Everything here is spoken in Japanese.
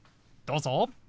どうぞ。